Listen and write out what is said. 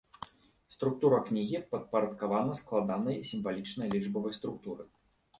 Структура кнігі падпарадкавана складанай сімвалічнай лічбавай структуры.